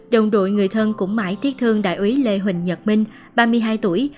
đồng đội người thân cũng mãi tiếc thương đại úy lê huỳnh nhật minh ba mươi hai tuổi